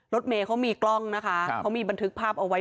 รถเมย์เขามีกล้องนะคะเขามีบันทึกภาพเอาไว้